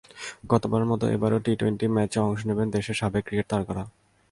গতবারের মতো এবারও টি-টোয়েন্টি ম্যাচে অংশ নেবেন দেশের সাবেক ক্রিকেট তারকারা।